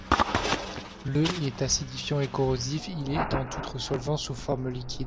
Le est acidifiant et corrosif, il est en outre solvant sous forme liquide.